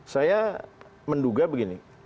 saya menduga begini